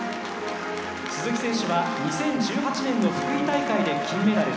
鈴木選手は、２０１８年の福井大会で金メダル。